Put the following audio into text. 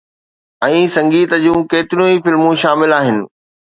۽ سنگيت جون ڪيتريون ئي فلمون شامل آهن.